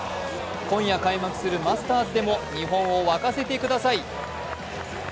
今夜開幕するマスターズでも日本を沸かせてください。